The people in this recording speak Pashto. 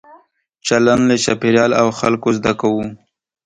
چلند له چاپېریال او خلکو زده کوو.